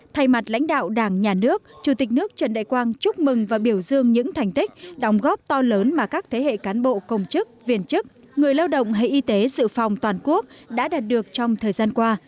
thay mặt lãnh đạo đảng nhà nước chủ tịch nước trần đại quang chúc mừng và biểu dương những thành tích đồng góp to lớn mà các thế hệ cán bộ công chức viên chức người lao động hệ y tế dự phòng toàn quốc đã đạt được trong thời gian qua